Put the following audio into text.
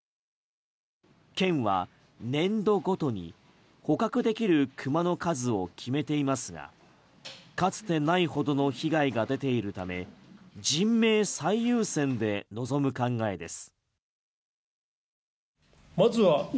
県は年度ごとに捕獲できるクマの数を決めていますがかつてないほどの被害が出ているため人命最優先で臨む考えです。